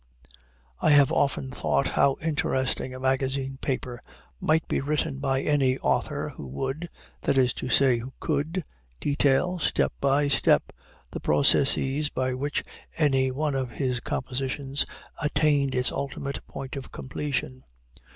I have often thought how interesting a magazine paper might be written by any author who would that is to say, who could detail, step by step, the processes by which any one of his compositions attained its ultimate point of completion.